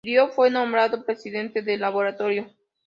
Diop fue nombrado presidente del laboratorio.